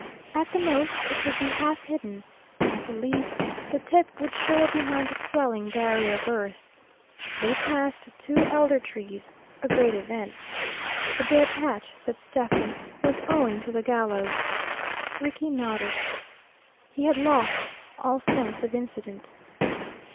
At the most it would be half hidden; at the least the tip would show behind the swelling barrier of earth. They passed two elder trees a great event. The bare patch, said Stephen, was owing to the gallows. Rickie nodded. He had lost all sense of incident.